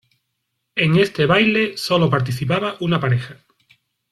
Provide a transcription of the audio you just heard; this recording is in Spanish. En este baile solo participaba una pareja.